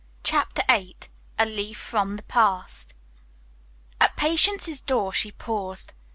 CHAPTER VIII A LEAF FROM THE PAST At Patience's door she paused.